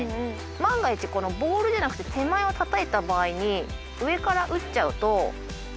万が一ボールでなくて手前をたたいた場合に上から打っちゃうと。